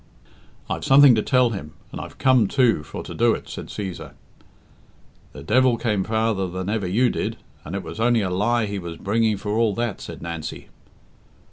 "I've something to tell him, and I've come, too, for to do it," said Cæsar. "The devil came farther than ever you did, and it was only a lie he was bringing for all that," said Nancy.